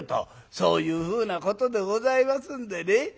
そういうふうなことでございますんでね